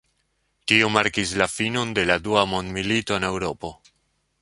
Tio markis la finon de la Dua Mondmilito en Eŭropo.